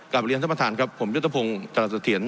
กลับไปเรียนท่านประทานครับผมยุติภงษ์จรัสเถียน